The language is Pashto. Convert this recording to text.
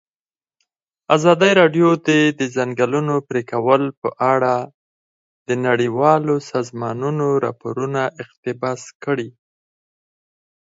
ازادي راډیو د د ځنګلونو پرېکول په اړه د نړیوالو سازمانونو راپورونه اقتباس کړي.